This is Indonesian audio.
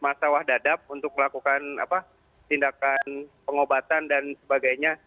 masalah dadap untuk melakukan tindakan pengobatan dan sebagainya